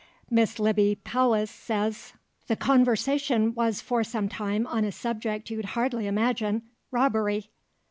Mrs. Lybbe Powys says— "The conversation was for some time on a subject you'd hardly imagine—robbery.